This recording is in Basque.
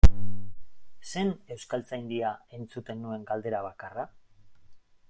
Zen Euskaltzaindian entzuten nuen galdera bakarra?